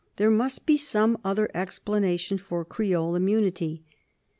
There must be some other ex planation for Creole immunity.